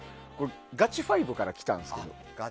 ガチ５からきたんですけど。